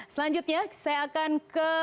selanjutnya saya akan ke